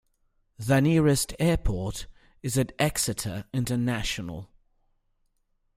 The nearest airport is at Exeter International.